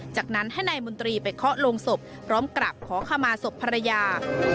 จากนั้นให้นายมนตรีไปเคาะลงศพพร้อมกลับขอขมาศพภรรยา